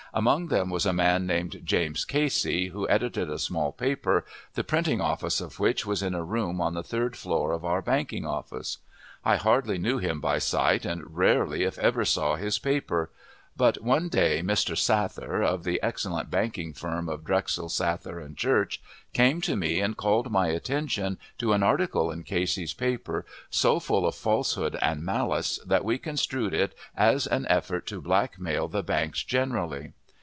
Among them was a man named James Casey, who edited a small paper, the printing office of which was in a room on the third floor of our banking office. I hardly knew him by sight, and rarely if ever saw his paper; but one day Mr. Sather, of the excellent banking firm of Drexel, Sather & Church, came to me, and called my attention to an article in Casey's paper so full of falsehood and malice, that we construed it as an effort to black mail the banks generally.